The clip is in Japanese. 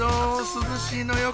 涼しいのよ